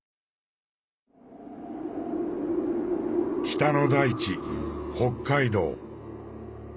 北の大地北海道。